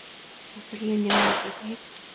Hacer leña del árbol caído